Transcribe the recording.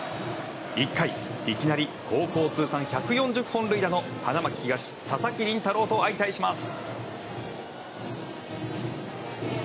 １回、いきなり高校通算１４０本塁打の花巻東、佐々木麟太郎と相対します。